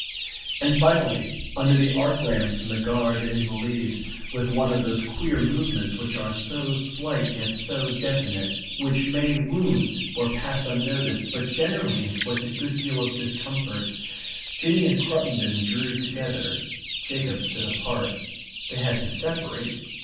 And finally under the arc lamps in the Gare des Invalides, with one of those queer movements which are so slight yet so definite, which may wound or pass unnoticed but generally inflict a good deal of discomfort, Jinny and Cruttendon drew together; Jacob stood apart. They had to separate.